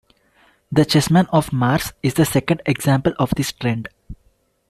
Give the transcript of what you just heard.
The Chessmen of Mars is the second example of this trend.